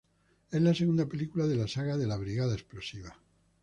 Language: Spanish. Es la segunda película de la saga de la "Brigada explosiva".